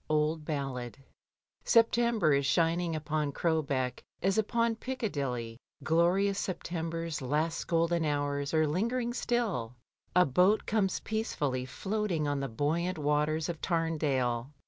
Old Ballad. September is shining upon Crowbeck as upon Piccadilly, glorious September's last golden hours are lingering still; a boat comes peacefully floating on the buoyant waters of Tamdale.